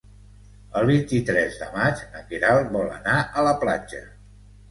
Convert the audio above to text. El vint-i-tres de maig na Queralt vol anar a la platja.